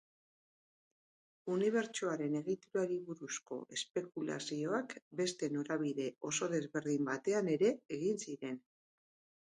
Unibertsoaren egiturari buruzko espekulazioak beste norabide oso desberdin batean ere egin ziren.